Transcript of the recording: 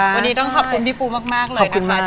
วันนี้ต้องขอบคุณพี่ปูมากเลยนะคะ